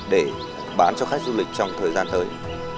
để bán cho khách du lịch trong thời gian tới